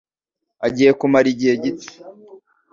agiye kumara igihe gito.